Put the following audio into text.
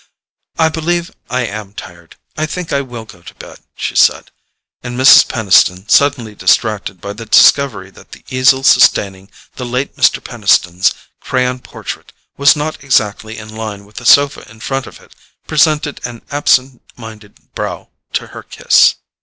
"I believe I AM tired: I think I will go to bed," she said; and Mrs. Peniston, suddenly distracted by the discovery that the easel sustaining the late Mr. Peniston's crayon portrait was not exactly in line with the sofa in front of it, presented an absent minded brow to her kiss.